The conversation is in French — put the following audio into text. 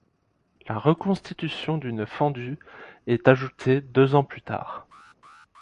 La reconstitution d'une fendue et ajoutée deux ans plus tard.